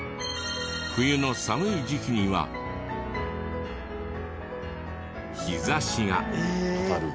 冬の寒い時期には日差しが。